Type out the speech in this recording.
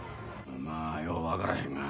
まぁよう分からへんが。